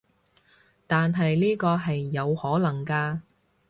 但係呢個係有可能㗎